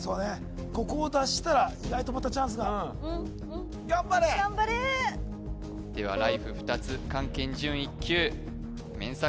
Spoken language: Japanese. ここを脱したら意外とまたチャンスが頑張れ頑張れではライフ２つ漢検準１級ＭＥＮＳＡ